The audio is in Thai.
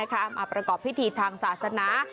มาประกอบพิธีทางศาสนา